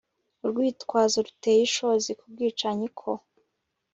Urwitwazo ruteye ishozi kubwicanyi ko